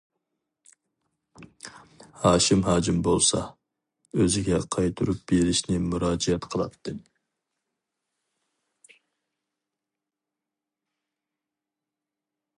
ھاشىم ھاجىم بولسا، ئۆزىگە قايتۇرۇپ بېرىشنى مۇراجىئەت قىلاتتى.